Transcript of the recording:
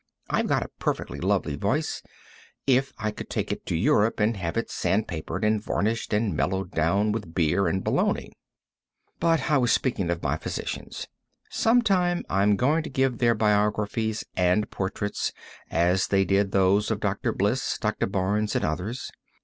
I've got a perfectly lovely voice, if I would take it to Europe and have it sand papered and varnished, and mellowed down with beer and bologna. But I was speaking of my physicians. Some time I'm going to give their biographies and portraits, as they did those of Dr. Bliss, Dr. Barnes and others.